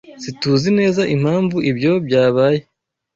SiTUZI neza impamvu ibyo byabaye.